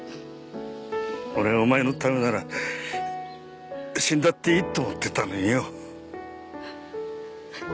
俺はお前のためなら死んだっていいって思ってたのによ。